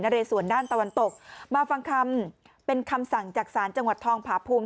เรสวนด้านตะวันตกมาฟังคำเป็นคำสั่งจากศาลจังหวัดทองผาภูมิ